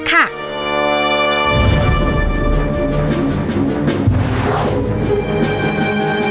ดินแดนแห่งสัจจะและมัยตรีคือนิยามของเมืองด่านซ้าย